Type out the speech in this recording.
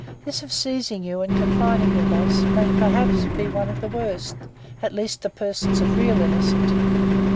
This of seizing you, and confining you thus, may perhaps be one of the worst, at least to persons of real innocence.